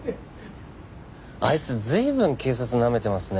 あいつ随分警察なめてますね。